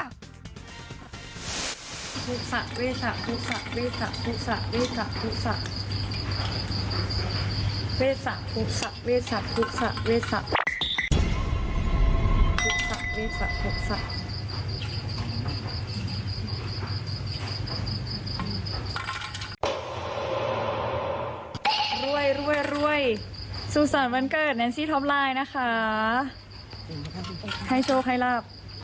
รวยรวยรวยสุสันวันเกิดแนนซี่ท็อปไลน์นะคะใครโชคใครลาบ